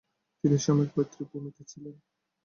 তিনি স্বামীর পৈতৃক ভূমিতে ছিলেন।